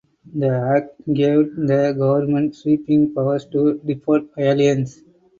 The act gave the government sweeping powers to deport aliens.